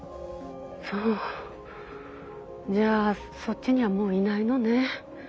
そうじゃあそっちにはもういないのね。